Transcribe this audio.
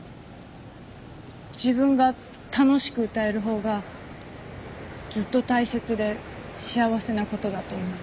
自分が楽しく歌える方がずっと大切で幸せなことだと思う。